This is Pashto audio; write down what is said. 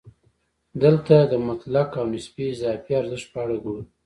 دلته د مطلق او نسبي اضافي ارزښت په اړه ګورو